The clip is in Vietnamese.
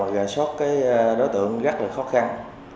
gà sót cái đối tượng rất là khó khăn